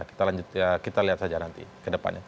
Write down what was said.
kita lihat saja nanti ke depannya